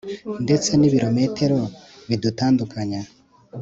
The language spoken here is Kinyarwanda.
ndetse nibirometero bidutandukanya